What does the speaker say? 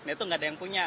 itu nggak ada yang punya